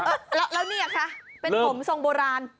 แล้วเนี่ยคะเป็นผมทรงโบราณ